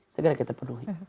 segera kita penuhi